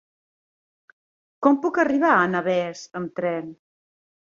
Com puc arribar a Navès amb tren?